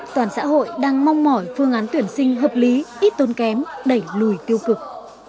toàn xã hội đang mong mỏi phương án tuyển sinh hợp lý ít tốn kém đẩy lùi tiêu cực